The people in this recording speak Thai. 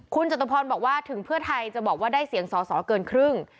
คุณจตุพรบอกว่าถึงเพื่อไทยจะบอกว่าได้เสียงสอสอเกินครึ่ง